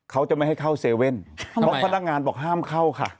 เขาจะไม่ให้เข้าเซเว่นเพราะพนักงานบอกห้ามเข้าค่ะ